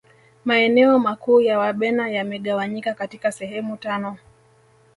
maeneo makuu ya wabena yamegawanyika katika sehemu tano